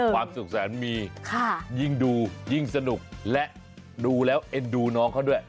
ความสุขแสนมียิ่งดูยิ่งสนุกและดูแล้วเอ็นดูน้องเขาด้วย